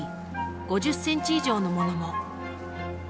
５０センチ以上のものも。